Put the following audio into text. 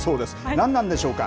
何なんでしょうか。